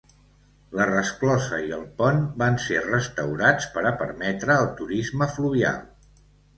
La resclosa i el pont van ser restaurats per a permetre el turisme fluvial.